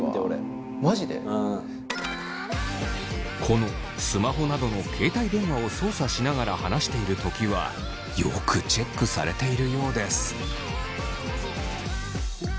このスマホなどの携帯電話を操作しながら話しているときはよくチェックされているようです。